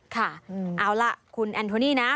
ค่ะเอาล่ะคุณแอนโทนี่นะ